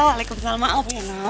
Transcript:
assalamualaikum maaf ya